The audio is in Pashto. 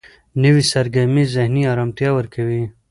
نوې سرګرمي ذهني آرامتیا ورکوي